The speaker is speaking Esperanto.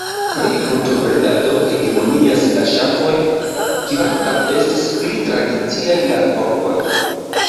Pri brutobredado hegemonias la ŝafoj, kvankam estis pli tradiciaj la porkoj.